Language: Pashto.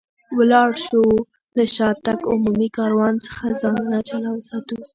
ولاړ شو، له شاتګ عمومي کاروان څخه ځانونه جلا وساتو.